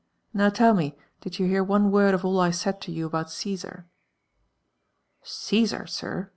Now, tell me, did you hear one word of all J said to you about Caesar?" "Caesar, sir!"